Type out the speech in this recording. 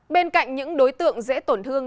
bên cạnh những đối tượng dễ tổn thương